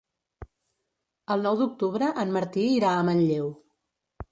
El nou d'octubre en Martí irà a Manlleu.